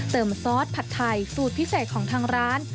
ซอสผัดไทยสูตรพิเศษของทางร้าน